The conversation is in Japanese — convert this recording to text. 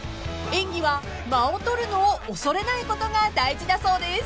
［演技は間を取るのを恐れないことが大事だそうです］